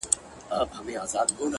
• د هر قام چي يو ځل وېره له دښمن سي,